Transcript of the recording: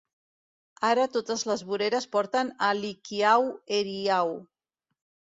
Ara totes les voreres porten a l'Hikiau Heiau.